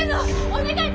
お願い！